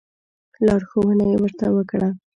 لارښوونه یې ورته وکړه.